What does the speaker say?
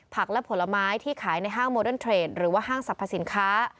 และผลไม้ที่ขายในห้างโมเดิร์เทรดหรือว่าห้างสรรพสินค้า